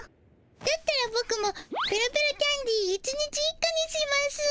だったらボクもペロペロキャンディー１日１個にしますぅ。